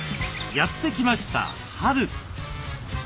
やって来ました春。